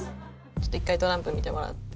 ちょっと１回トランプ見てもらって。